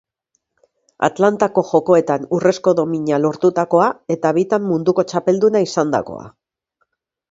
Atlantako Jokoetan urrezko domina lortutakoa eta bitan munduko txapelduna izandakoa.